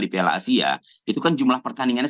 di piala asia itu kan jumlah pertandingannya